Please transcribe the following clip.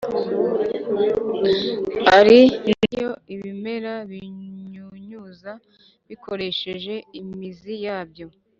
ari na yo ibimera binyunyuza bikoresheje imizi yabyo